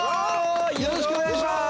よろしくお願いします。